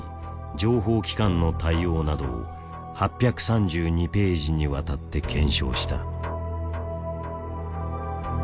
情報機関の対応などを８３２ページにわたって検証した。